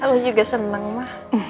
aku juga senang ma